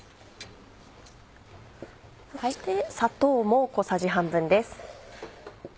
そして砂糖も小さじ半分です。